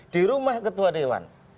di rumah ketua dewan